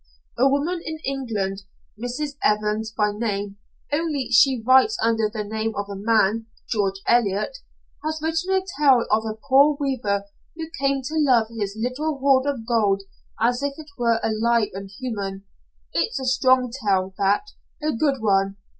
"A woman in England Miss Evans, by name, only she writes under the name of a man, George Eliot has written a tale of a poor weaver who came to love his little horde of gold as if it were alive and human. It's a strong tale, that. A good one.